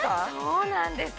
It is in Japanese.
そうなんですよ